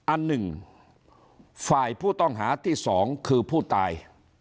อันหนึ่งฝ่ายผู้ต้องหาที่๒คือผู้ตาย